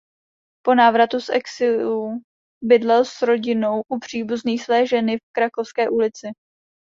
Po návratu z exilu bydlel s rodinou u příbuzných své ženy v Krakovské ulici.